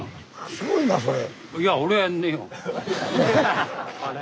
すごいなそれ。